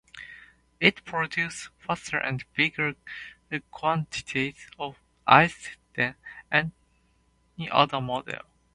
It produces faster and bigger quantities of ice than any other model.